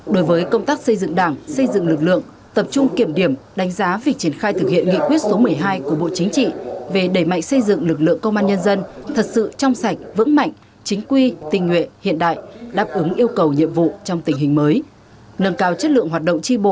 đối với công tác đấu tranh phòng chống tội phạm bảo đảm trật tự an toàn xã hội các lực lượng phòng chống tội phạm theo chuyên đề